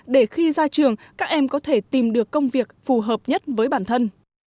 để khi ra trường các em có thể tìm được công việc phù hợp nhất với bản thân